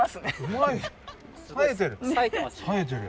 さえてる。